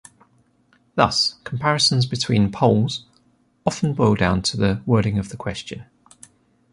Thus comparisons between polls often boil down to the wording of the question.